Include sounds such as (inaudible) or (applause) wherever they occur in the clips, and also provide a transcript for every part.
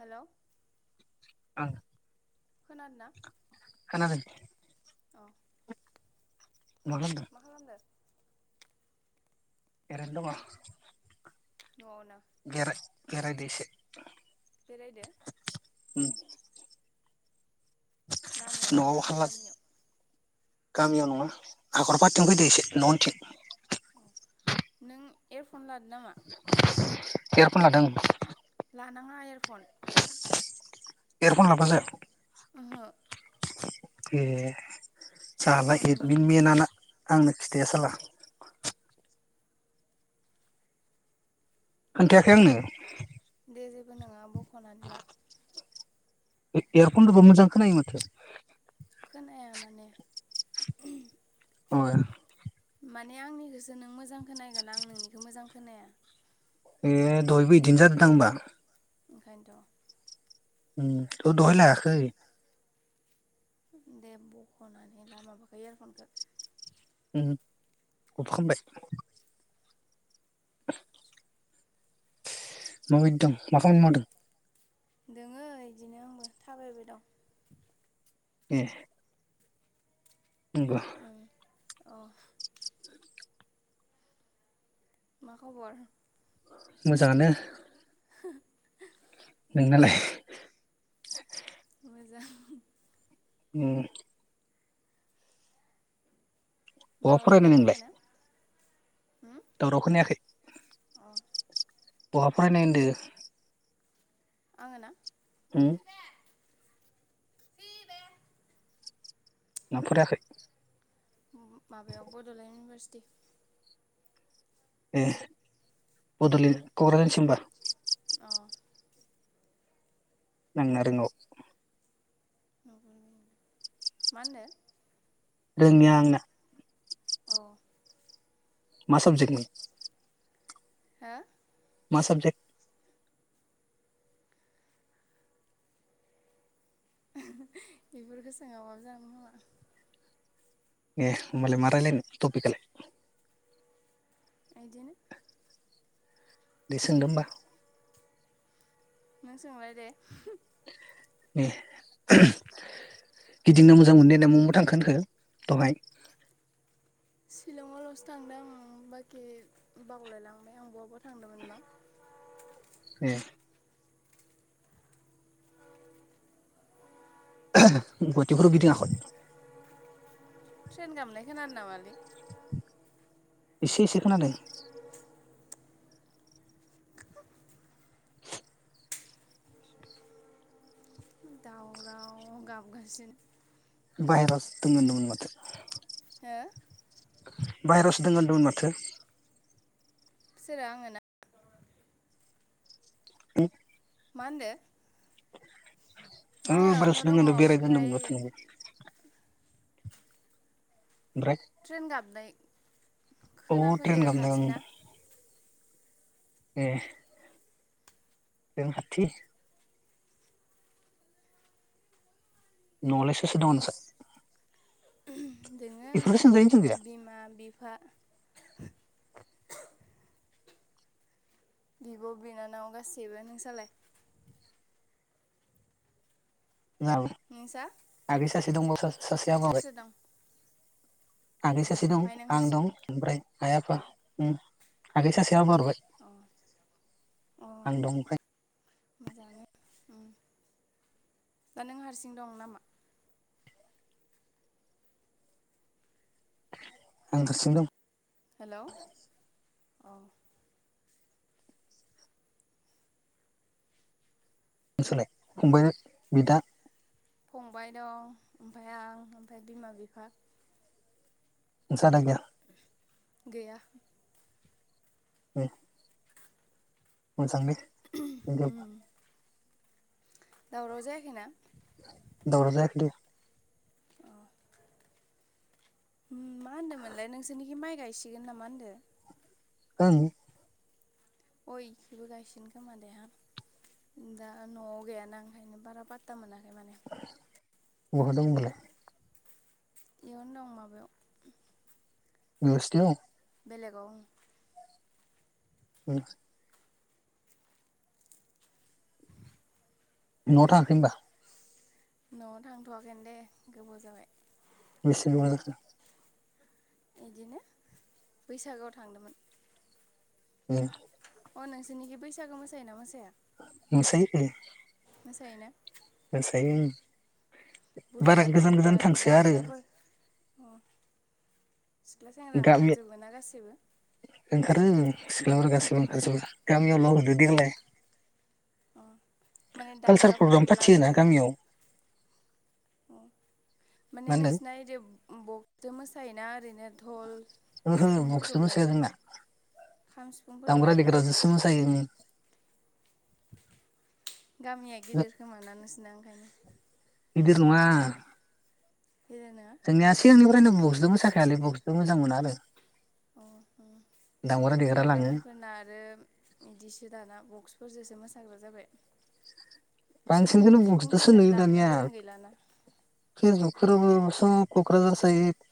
हेल' आ। खोनादों ना? खोनादों। औ। मा खालामदों? एरैनो दङ। न नो बेराय दोसो बेरायदो? (inaudible) न'आव लामायावना हारला गामियाव? गामियाव नङा हाखरफारथिं फैदो एसे न' उनथिं। अ नों एयार फन लाद (inaudible) एयारफन लादों लानाङा एयारफन। एयारफन लाबा जा आहो। ए। बख'नानै (unintelligible) आंनो खिथाया साला खोन्थायाखै आंनो। जे जेबो नङा बख'नानै ला। एयारफनदोबो मोजां खोनायो माथो? खोनाया माने अ माने आंनिखौसो नों मोजां खोनगोन आं नोंनिखौ मोजां खोनाया ए दहायबो बिदिनो जादोदां होमबा बेखायनथ' उम अ दहाय लायाखै दे बखनानैला माबाखो इयारफनखो उम अफखामबाय माबादिदं मा खामानि मावदों? दोङो इदिनो आंबो थाबायबाय दं एह नंगह औ मा खबर मोजाङानो हो नोंनालाय मोजां उमह बहा दावराव फरायनाय नोंलाय खानायखैना दावराव खोनायाखै अ बहाफरायनाय होनदो आंङोना हम नों फरायाखै उम माबायाव बडलेण्ड इउनिभारसिटि (inaudible) एह बलेण्ड कक्राझारनिसिमबा अ नोंनारोंऔ (unintelligible) मा मोनदो रोङिया आंना औ मा साबजेक्टनि हो मा साबजेक्ट ओहो बेफोरखो सोङाबो जागोन खोमा ऐह ओमबालाय मा रायलानो तपिकालाय आयदिया दे सोंदो ओमबा नों सोंलाया दे ए गिदिंनो मोजां मोनो देनाय मव मव थांखो होनखो दहाय सिलंआवलसो थांदों आं बाखि बावलायलांबाय आं बवा बवा एह गुवाटिफोरव गिदिंङाखय ट्रेन गाबनाय खोनादो नामलि एसे इसे खोनादों दावराव गाबगासिनो भाइरास दोङो होनदोंमोन माथो हो भाइरस दोंङो होनदोंमोन माथो। सोरो आंङो ना उं मा होनदो (inaudible) बाहेरावनोथ' दङ (unintelligible) बेरायगोन ओमफ्राय होनदों र थांनि ओमफ्राय ट्रेन गाब्बाय औ ट्रेन गाबदों। ए नों थि नआव लाय सोर सोर दङ नोंसा? दोङो बेफोरखौ सोंजायो ना सोंजाया बिमा बिफा बिब बिनानाव गासैबो नोंसालाय? (unintelligible) नोंसा आगैस सासे दंबावो सास सासे हाबा सोर हरबाय। सोर दं आगै अ सासे दं ओमफ्राय नों आं हारसिं दं ओमफ्राय आइ आफा उम आगै सासे सासे हाबा हरबाय अ अ आं दं ओमफ्राय मोजाङानो उम दा नों हारसिं दं नामा? आं हारसिं दं। हेलौ अ नोंसालाय फंबाय बिदा फंबाय दं ओमफाय आं ओमफाय बिमा बिफा नोंसा आदा‌ गैया? गैया। ए मोजांदे उम (unintelligible) दावराव जायाखैना? दावराव जायाखै दे अ उम मा होनदोमोनलाय नोंसोरनिखि माइ गायसिगोनना मा होनदों? ओं अ इखिबो गायसिन खोमा दे हा दा नआव गैयाना ओंखायनो बारा पात्ता मोनाखै माने बहा दं ओमबालाय? इयावनो दं माबायाव (unintelligible) बेलेगाव उम उम नआव थाङाखै ओमबा नआव थांथ'वाखैआनो‌ दे गोबाव जाबाय बेसे गोबाव जाखो‌? इदिनो बैसागोआव थांदोमोन उम अ नोंसोरनिखि बैसागोु मोसायोना मोसाया? मोसायो (unintelligible) मोसायो ना मोसायो उम बारा बुरजा गोजान दामग्रा गोजान थांसोआ आरो दामग्राफोर अ सिख्ला सेंग्रा गामि ओंखारजोबो ना गासैबो सिख्लाफोरा गासिबो ओंखारजोबो दा गामियाव मावदो दे देनाय अ माने प्रग्राम दामग्राफोरखौबो फाथियोना लाजोबो ना गामियाव माने मा होनदों नोंसिना ओइदि बक मोसायोना ओैनो धल ओहो बक्सजों सिफुंफोरखौबो लायो मोसाया जोंना खाम सिफुंफोरखौ दामग्रा लायोना देग्राजोंसो मोसायो उम गामिया गिदिर खोमाा नोंसना ओंखायनो बिदिर नङा गिदिर नङा जोंनिया सिगांनिफ्रायनो बक्सबो मोसाखाया लै बक्सबो मोजां मोना बे (unintelligible) अ जों लाङो गामिफोरना आरो बिदिसो दाना बक्स बुरजोसो मोसाग्रा जाबाय खाम बांसिनखौनो बक्सदोसो सिफुंफोरखौनो दामनो गोरों गैलाना फि जुफोराबो सब क'क्राझार सायद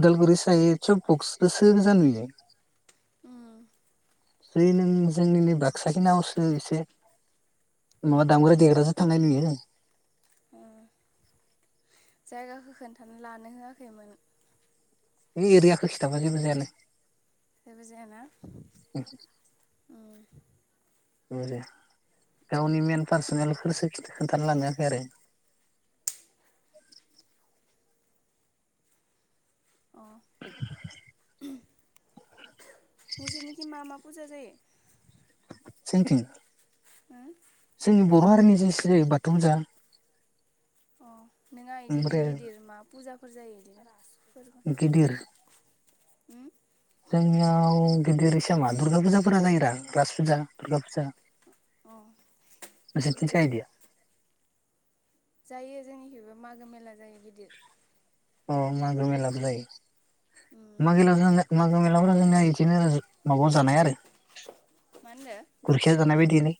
उदालगुरि सायद सब बक्सबोसो जानो नुयो उम जै नों जोंनि नै बाक्सााखनावसो एसे माबा दामग्रा देग्राजो थांनाय नुयो आं (unintelligible) जायगाखौ खोन्था लानो होआखैमोन ए एरैयााखो खिथाब जेबो जायानो जेबो जाया ननहोनना गावनि मेन पारसनेलखोसो खिन्थ खोन्थाना लानो होआखै आरो अ (unintelligible) निसिनिथिं मा मा फुजा जायो सिंथिं ओ जोंनि बर' हारिनि ज ज बाथौज अ नोंङा इदिनो गिदिर मा फुजा फोरुर जायो बिदि ग (unintelligible) गिदिर उम जोंनियाव गिदिर सामा दुर्गा फुजाफोरा जायोरा राज फुजा दुर्गा फुजा अ (inaudible) (unintelligible) जायो जोंनिखिबो मागो मेला जायो गिदिर अ मागो मेलाबो जायो उम (unintelligible) मागो मेलाफोरा जोंना इदिनो माबा जानाय आरो मा होनदो गुरखिया जानाय बायदिलै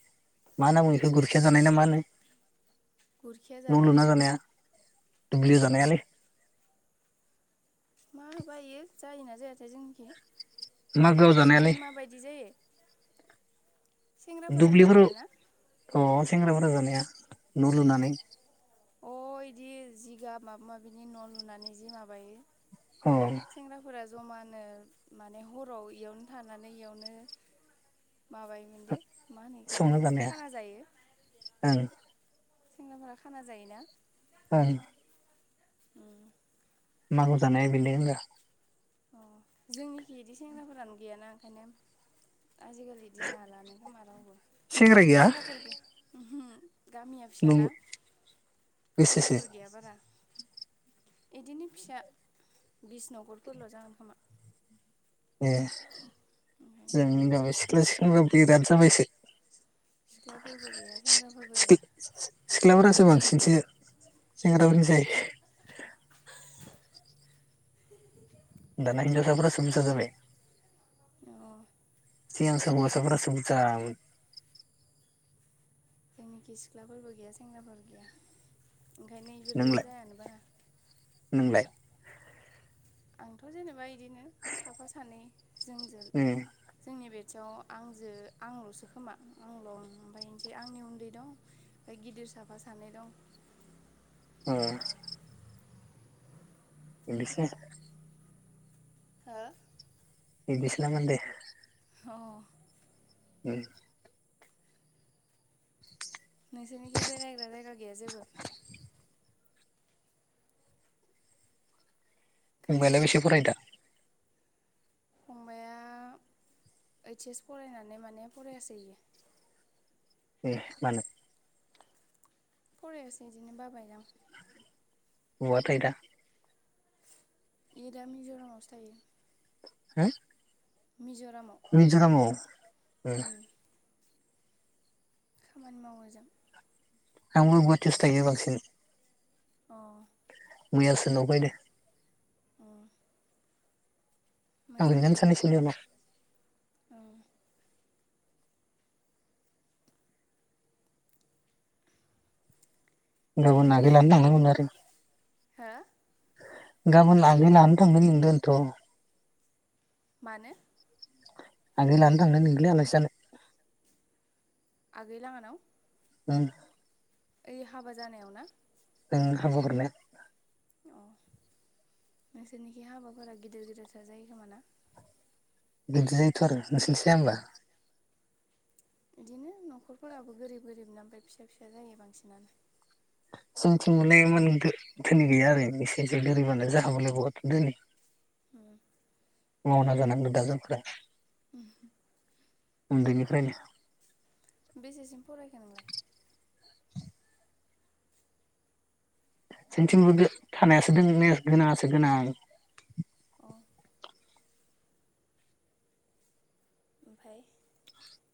मा होननांगौ इखो गुरखिया जानाय ना मा होनो गुरखिया न' जानाय लुना जानाया दुब्लियाव जानायालै मा होबा इयो जायोना जायाथाय जोंनिखि मागोआव माने जानायालै मा बायदि जायो सेंग्राफोरा दुब्लिफोराव जानायाना अ सेेंग्राफोर जानाया न लुनानै अ इदि जिगाब माबा माबिनि न लुनानै जि माबायो अ सेंग्राफोरा जमानो माने हराव इयावनो थानानै इयावनो माबायोमोन दे मा होनो इखो संना जानाया खाना जायो ओं सेंनाफोरा खाना जायोना ओं उम मागुर जानाया (unintelligible) अ जोंनिखि इदि सेंग्राफोरानो गैयाना ओंखायनो आजिखालि इदि जालानो खोमा रावबो सेंग्रा गैया सेंग्राफोर गैया ओमहो गामिया फिसा नों ना बेसेसो सेंग्राफोर गैया बारा इदिनो फिसा बिस नखरफोरल जागोन खोमा ए ओंखायनो जोंनि जाय सिख्ला सिख्ला अत्यावश्यक सिख्लाफोरबो गैया सेंग्राफोरबो गैया सि-सिखि-सि-सि-सिख्लाफोरासो बांसिनसो सेंग्राफोरनिसाय (inaudible) दाना हिनजावसाफोरासो बुरजा जाबाय अ सिगां समाव हौवासा फोरासो बुरजामोन जोंनिखि सिख्लाफोरबो गैया सेंग्राफोरबो गैया ओंखायनो इफोरबो नोंलाय जायानो बारा नोंलाय आंथ जेनेबा इद दिनो साफा सानै जोंजों जोंनि बे खाथियाव आंजो आंल'सो खोमा आंल' औ ओमफ्राय आंनि उन्दै दं ओमफ्राय गिदिर साफा सानै दं। ओ इंलिस नि हा इंलीस ना मानदे अह ओ (inaudible) नोंसोरनिखि बेरायग्रा जायगा गैया जेबो? फंबायआलाय खोनायाखै बेसे फरायो दा? फंबाया ओइट एस फरायनानै माने फरायसै इयो। एह, मानो? फरायसै बिदिनो बाबाय दां। बहा थायो दा? इ दा मिज'रामावसो थायो। हा मिज'रामाव मिजरामआव अह उम खामानि मावो ओजों आंबो गुवाहाटीआवसो थायो बांसिन। अह मैयासो न'आव फायदो। अह थांफिनगोन साननैसोनि उनाव औ गाबोन ओमफ्राय नागिरलानो थांनांगौनो आरो हो गाबोन नाग्रि लानो थांनो लिंदों इनथ' मानो आगै लानो थांनो लिंदोंलै आलासि जानो। आगै लाङानाव उम ओइ हाबा जानायाव ना‌? औ हाबा हरनाया अ नोंसोरनिखि हाबाफोरा गिदिर गिदिरथार जायो खोमा ना? गिदिर जायोथ'आरो नोंसोरनिथिं जाया होमबा? बिदिनो न'खरफोराबो गोरिब गोरिबना ओमफ्राय फिसा फिसा जायो बांसिनानो। जोंथिं मालाय एमान धो-धोनि गैया आरो बिसोरनिथिं धोनिबानो जाहाबोलाय बहाथो धोनि मावना जानांदों दा जोंफोरा (inaudible) उन्दैनिफ्रायनो बेसेसिम फरायखो नोंलाय जोंथिंबो गो-थानायासो दोङोने गोनाङासो गोनां अ ओमफाय